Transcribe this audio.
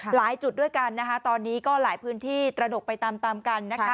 หลายจุดด้วยกันตอนนี้ก็หลายพื้นที่ตระหนกไปตามกัน